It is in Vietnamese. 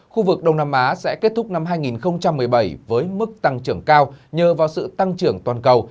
khu vực đông nam á sẽ kết thúc năm hai nghìn một mươi bảy với mức tăng trưởng cao nhờ vào sự tăng trưởng toàn cầu